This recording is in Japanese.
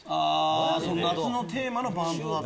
夏のテーマのバンドだと。